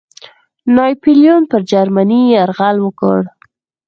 ناپلیون پر جرمني یرغل وکړ.